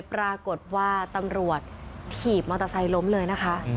ปรากฏว่าตำรวจถีบมอเตอร์ไซค์ล้มเลยนะคะ